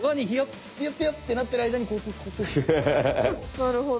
なるほど。